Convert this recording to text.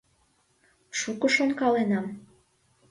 Шуко шонкаленам.